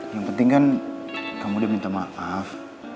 yang penting kan kamu dia minta maaf